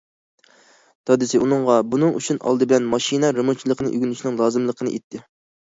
دادىسى ئۇنىڭغا بۇنىڭ ئۈچۈن ئالدى بىلەن ماشىنا رېمونتچىلىقىنى ئۆگىنىشنىڭ لازىملىقىنى ئېيتتى.